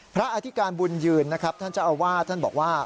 อธิการบุญยืนนะครับท่านเจ้าอาวาสท่านบอกว่า